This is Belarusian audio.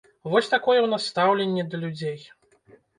Вось такое ў нас стаўленне да людзей.